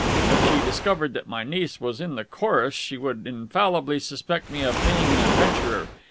If she discovered that my niece was in the chorus, she would infallibly suspect me of being an adventurer.